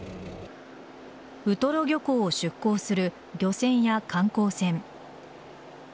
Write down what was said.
ウトロ漁港を出港する漁船や観光船。